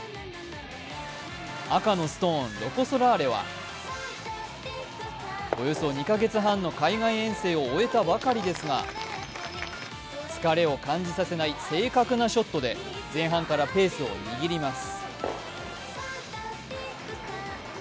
赤のストーン、ロコ・ソラーレはおよそ２か月半の海外遠征を終えたばかりですが、疲れを感じさせない正確なショットで前半からペースを握ります。